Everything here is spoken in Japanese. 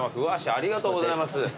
ありがとうございます。